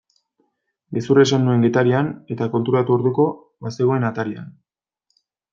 Gezurra esan nuen Getarian eta konturatu orduko bazegoen atarian.